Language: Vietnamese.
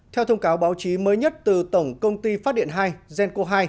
theo thông cáo báo chí mới nhất từ tổng công ty phát điện hai genco hai